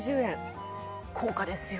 高価ですよ。